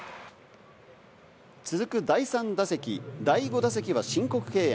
続く第３打席、第５打席は申告敬遠。